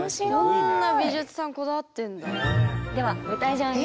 こんな美術さんこだわってんだ。